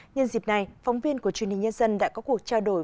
nhân dịp này phóng viên của truyền hình nhân dân đã có cuộc trao đổi